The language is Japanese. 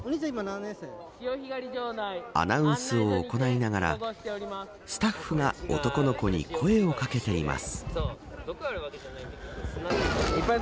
アナウンスを行いながらスタッフが男の子に声を掛けています。